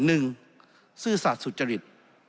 ซื่อสัตว์สุจริต